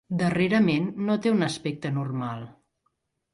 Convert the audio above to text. Darrerament no té un aspecte normal.